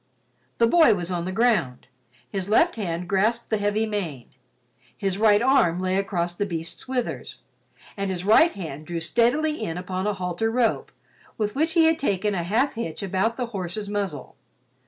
The boy was on the ground. His left hand grasped the heavy mane; his right arm lay across the beast's withers and his right hand drew steadily in upon a halter rope with which he had taken a half hitch about the horse's muzzle.